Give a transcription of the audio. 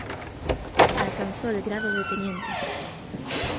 Alcanzó el grado de teniente.